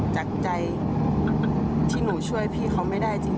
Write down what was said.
จากใจที่หนูช่วยพี่เขาไม่ได้จริง